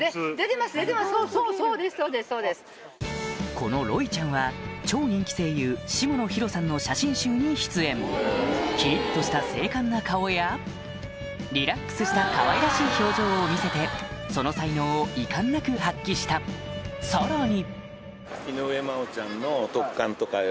このロイちゃんは超人気声優下野紘さんの写真集に出演キリっとした精悍な顔やリラックスしたかわいらしい表情を見せてその才能を遺憾なく発揮したさらに！